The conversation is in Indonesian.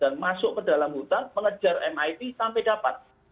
dan masuk ke dalam hutan mengejar mit sampai dapat